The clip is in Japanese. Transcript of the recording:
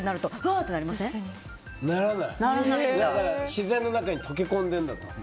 自然の中に溶け込んでるんだと。